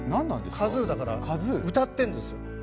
カズーだから歌ってんですよ。